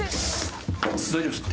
大丈夫ですか？